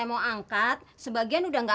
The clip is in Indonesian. pas sore saya mau angkat sebagian udah gak ada